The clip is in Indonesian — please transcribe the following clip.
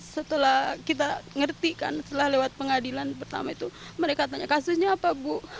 setelah kita ngerti kan setelah lewat pengadilan pertama itu mereka tanya kasusnya apa bu